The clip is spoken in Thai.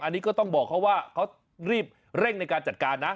อันนี้ก็ต้องบอกเขาว่าเขารีบเร่งในการจัดการนะ